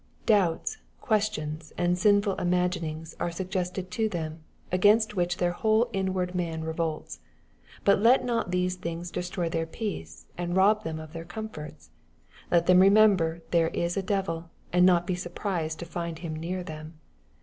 Doubts, questions, and sinful ima ginings are suggested to them, against which their whole inwai:d man revolts. But let not these things destroy their peace, and rob them of their comforts. Let them remember there is a devil, and not be surprised to find him near them.